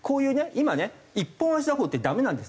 今ね一本足打法ってダメなんです